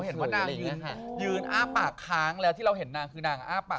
ทำไมไหนบอกที่จะไปจ้องกับพี่